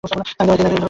আমি তোমায় ঘৃণা করি!